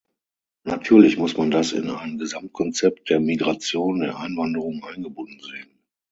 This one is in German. Natürlich muss man das in ein Gesamtkonzept der Migration, der Einwanderung eingebunden sehen.